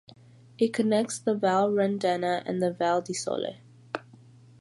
It connects the Val Rendena and the Val di Sole.